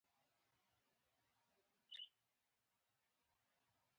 د ګاو زبان ګل د څه لپاره وکاروم؟